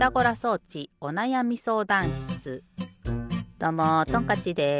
どうもトンカッチです。